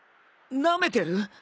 なめてる？